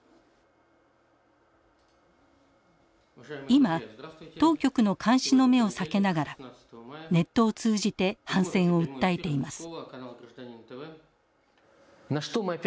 今当局の監視の目を避けながらネットを通じて反戦を訴えています。